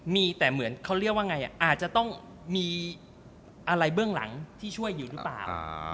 มีแต่เหมือนเขาเรียกว่าไงอาจจะต้องมีอะไรเบื้องหลังที่ช่วยอยู่หรือเปล่า